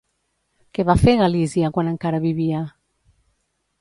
Què va fer Galizia quan encara vivia?